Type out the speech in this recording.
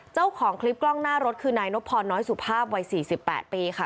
เจ้าของคลิปกล้องหน้ารถคือนายนพรน้อยสุภาพวัย๔๘ปีค่ะ